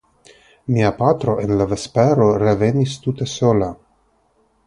Mia patro en la vespero revenis tute sola.